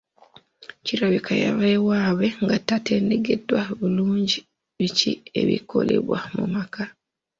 Kirabika yava ewaabwe nga tatendekeddwa bulungi biki ebikolebwa mu maka.